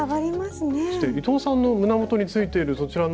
そして伊藤さんの胸元についているそちらのハートも。